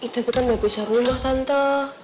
tapi kan udah besar rumah tante